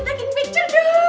apa yang ada